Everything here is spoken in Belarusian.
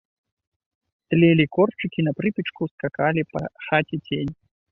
Тлелі корчыкі на прыпечку, скакалі па хаце цені.